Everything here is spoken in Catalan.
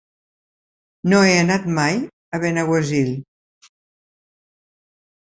No he anat mai a Benaguasil.